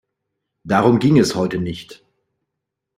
Darum ging es heute nicht.